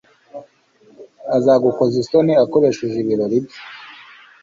azagukoza isoni akoresheje ibirori bye